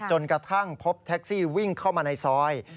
จนกระทั่งพบแท็กซี่วิ่งเข้ามาในซอย